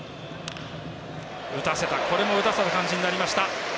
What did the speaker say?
これも打たせた感じになりました。